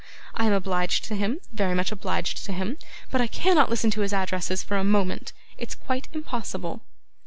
I am obliged to him, very much obliged to him, but I cannot listen to his addresses for a moment. It's quite impossible.